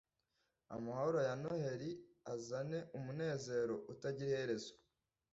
amahoro ya noheri azane umunezero utagira iherezo